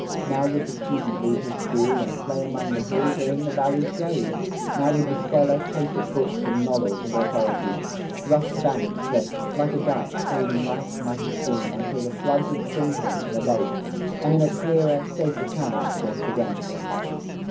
Now would the student leave his school, and play Among the hills, or in the valley's shade, Now would the scholar chafe at books And knowledge and authority rough banks That, like a dyke, hold in life's mighty stream Until the floods of Springtime can abate, And in a clearer, safer channel course again.